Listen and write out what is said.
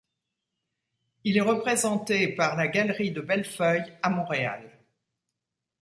Il est représenté par la Galerie de Bellefeuille, à Montréal.